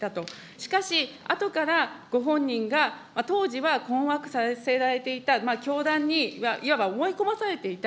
しかし、あとからご本人が当時は困惑させられていた、教団に、いわば思い込まされていた。